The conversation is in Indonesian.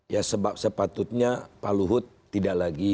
ya sebab sepatutnya pak luhut tidak lagi